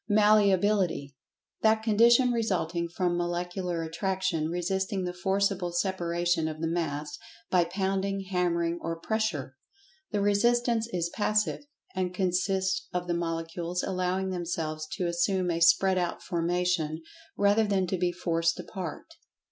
"[Pg 82] Malleability: That condition resulting from Molecular Attraction resisting the forcible separation of the Mass by pounding, hammering or pressure. The resistance is "passive," and consists of the Molecules allowing themselves to assume a spread out formation, rather than to be forced apart.